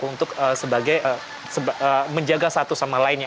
untuk sebagai menjaga satu sama lainnya